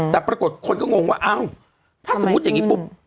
แต่ปรากฏคนก็งงว่าอ้าวถ้าสมมุติอย่างนี้ปุ๊บ